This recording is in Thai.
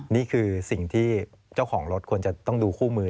นี่คือสิ่งที่เจ้าของรถควรจะต้องดูคู่มือ